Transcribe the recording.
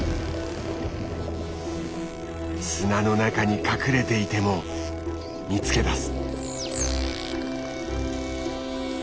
砂の中に隠れていても見つけ出す。